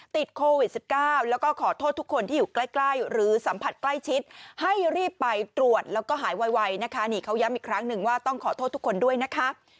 ติดโควิด๑๙แล้วก็ขอโทษทุกคนที่อยู่ใกล้หรือสัมผัสใกล้ชิดให้รีบไปตรวจแล้วก็หายไวนะคะนี่เขาย้ำอีกครั้งหนึ่งว่าต้องขอโทษทุกคนด้วยนะคะ